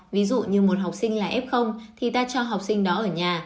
ví dụ như một học sinh là f thì ta cho học sinh đó ở nhà